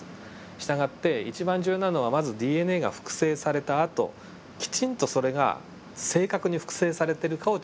従って一番重要なのはまずＤＮＡが複製されたあときちんとそれが正確に複製されてるかをチェックするポイント。